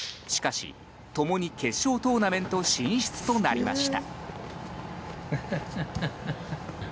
しかし、共に決勝トーナメント進出となりました。